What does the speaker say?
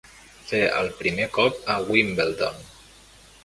Fer el primer cop a Wimbledon.